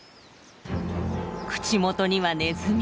口元にはネズミ！